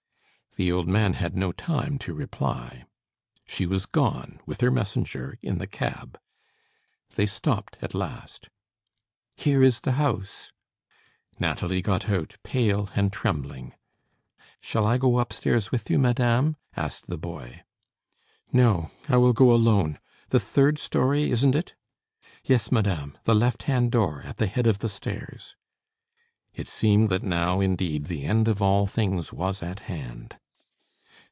The old man had no time to reply. She was gone, with her messenger, in the cab. They stopped at last. "Here is the house." Nathalie got out, pale and trembling. "Shall I go up stairs with you, madame?" asked the boy. "No, I will go alone. The third story, isn't it?" "Yes, madame; the left hand door, at the head of the stairs." It seemed that now, indeed, the end of all things was at hand.